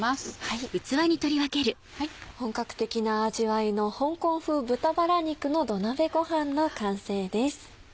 本格的な味わいの「香港風豚バラ肉の土鍋ごはん」の完成です。